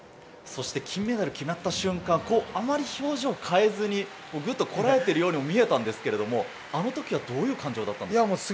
金メダルが決まった瞬間、あまり表情を変えずにグッとこらえてるようにも見えたんですけれど、あの時はどういう感情だったんですか？